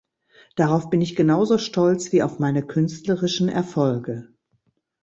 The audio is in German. Darauf bin ich genauso stolz, wie auf meine künstlerischen Erfolge!